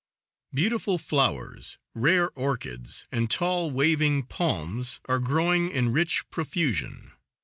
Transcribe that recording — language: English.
Beautiful flowers, rare orchids, and tall, waving palms are growing in rich profusion.